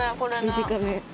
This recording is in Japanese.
短め。